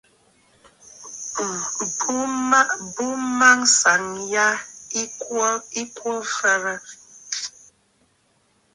M̀bùmânsaŋ yâ ɨ̀ kwo mfəərə.